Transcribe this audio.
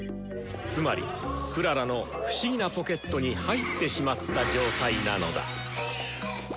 つまりクララの不思議なポケットに入ってしまった状態なのだ。